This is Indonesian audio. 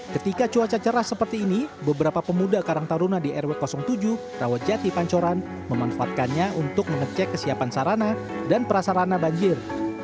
ketika cuaca cerah seperti ini beberapa pemuda karang taruna di rw tujuh rawajati pancoran memanfaatkannya untuk mengecek kesiapan sarana dan prasarana banjir